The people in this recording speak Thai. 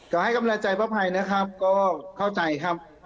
ก็ให้กำลังใจป้าภัยนะครับก็เข้าใจครับ